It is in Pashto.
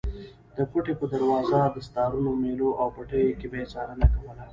د کوټې په دروازه، دستارونو، مېلو او پټیو کې به یې څارنه کوله.